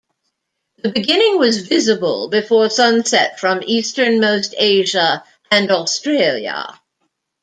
The beginning was visible before sunset from easternmost Asia and Australia.